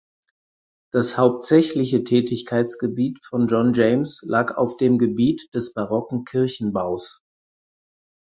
Das hauptsächliche Tätigkeitsgebiet von John James lag auf dem Gebiet des barocken Kirchenbaus.